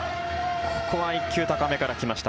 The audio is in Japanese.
ここは１球、高めから来ました。